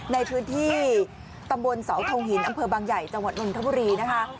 ในพื้นที่ตำบลเสาทงหินอำเภอบางใหญ่จังหวัดนนทบุรีนะคะ